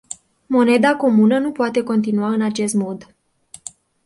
Moneda comună nu poate continua în acest mod.